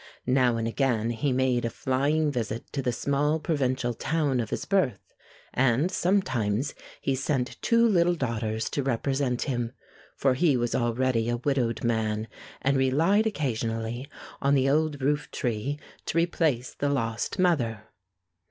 Now and again he made a flying visit to the small provincial town of his birth, and sometimes he sent two little daughters to represent him for he was already a widowed man, and relied occasionally on the old roof tree to replace the lost mother.